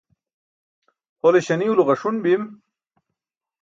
hole śaniulo ġaṣun bim